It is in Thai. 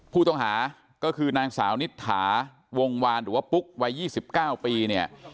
ผู้ต้องหาก็คือนางสาวนิษฐาวงวานหรือว่าปุ๊กวัย๒๙ปีเนี่ย